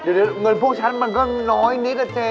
เดี๋ยวเงินพวกฉันมันก็น้อยนิดนะเจ๊